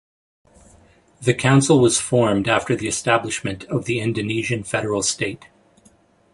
The council was formed after the establishment of the Indonesian federal state.